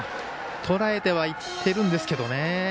とらえてはいってるんですけどね。